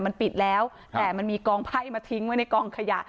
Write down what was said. มันปิดแล้วแต่มันมีกองไพ่มาทิ้งไว้ในกองขยะ